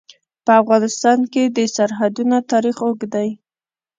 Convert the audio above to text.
په افغانستان کې د سرحدونه تاریخ اوږد دی.